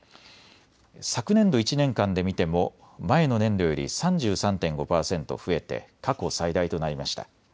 昨年度１年間で見ても前の年度より３３．５％増えて過去最大となりました。